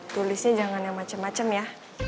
tulisnya jangan yang macem macem ya